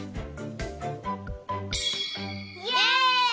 イエーイ！